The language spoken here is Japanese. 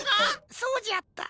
そうじゃった。